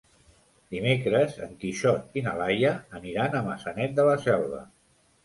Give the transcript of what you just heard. Dimecres en Quixot i na Laia aniran a Maçanet de la Selva.